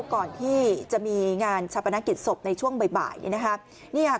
ก่อนที่จะมีงานชัพนักห์กิจศพในช่วงบ่ายนี้นะครับ